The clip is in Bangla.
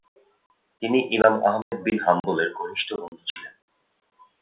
তিনি ইমাম আহমাদ বিন হাম্বলের ঘনিষ্ঠ বন্ধু ছিলেন।